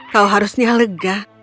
kau harusnya lega